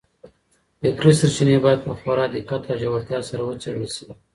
فکري سرچينې بايد په خورا دقت او ژورتيا سره وڅېړل سي.